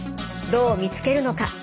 どう見つけるのか。